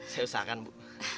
saya usahakan bu